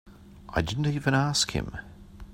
I didn't even ask him.